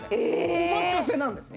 お任せなんですね。